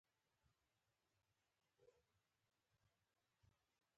احمدشاه بابا به د خپلو سرتيرو غم خوړ.